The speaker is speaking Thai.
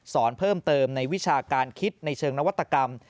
เพิ่มเติมในวิชาการคิดในเชิงนวัตกรรม